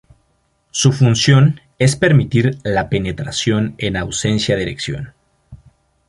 Su función es permitir la penetración en ausencia de erección.